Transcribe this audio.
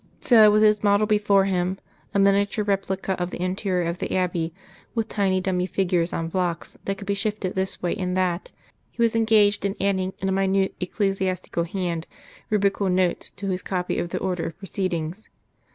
So, with his model before him a miniature replica of the interior of the Abbey, with tiny dummy figures on blocks that could be shifted this way and that, he was engaged in adding in a minute ecclesiastical hand rubrical notes to his copy of the Order of Proceedings.